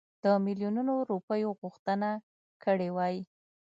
د میلیونونو روپیو غوښتنه کړې وای.